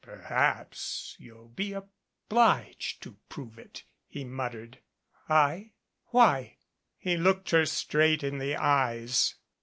"Perhaps you'll be obliged to prove it," he muttered. "I? Why?" He looked her straight in the, eyes.